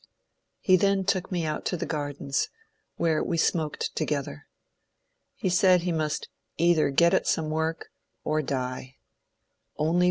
He then took me out into the gardens, where we smoked together. He said he must ^^ either get at some work — or die.